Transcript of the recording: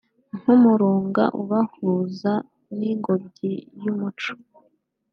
nk‘umurunga ubahuza n‘ingobyi y’umuco